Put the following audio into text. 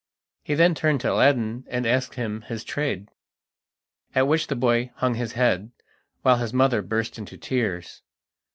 He then turned to Aladdin, and asked him his trade, at which the boy hung his head, while his mother burst into tears.